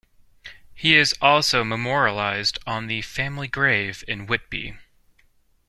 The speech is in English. He is also memorialised on the family grave in Whitby.